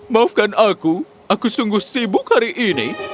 maafkan aku aku sungguh sibuk hari ini